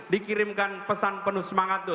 dikirimkan pesan penuh semangat